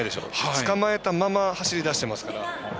捕まえたまま走り出してますから。